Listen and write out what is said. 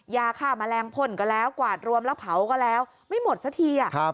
ยาฆ่าแมลงพ่นก็แล้วกวาดรวมแล้วเผาก็แล้วไม่หมดสักที